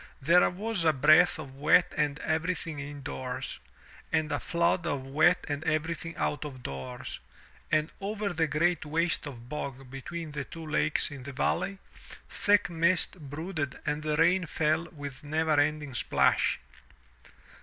There was a breath of wet on everything in doors, and a flood of wet on everything out of doors, and over the great waste of bog between the two lakes in the valley, thick mist brooded and the rain fell with never ending splash.